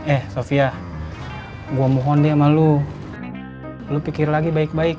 eh sofia gue mohon dia malu lu pikir lagi baik baik